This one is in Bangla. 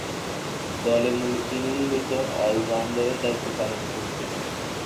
দলে তিনি মূলতঃ অল-রাউন্ডারের দায়িত্ব পালন করতেন।